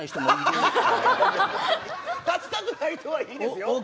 立ちたくない人はいいですよ。